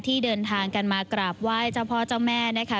ที่เดินทางกันมากราบไหว้เจ้าพ่อเจ้าแม่นะคะ